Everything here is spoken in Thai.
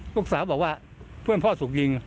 ลูกสาวบอกว่าเพื่อนพ่อถูกยิง